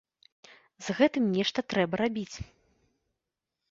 З гэтым нешта трэба рабіць.